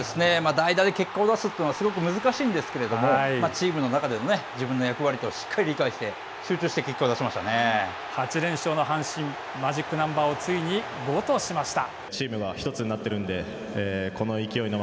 代打で結果を出すというのはすごく難しいんですけれども、チームの中での自分の役割を理解し８連勝の阪神マジックナンバーをついに５としました。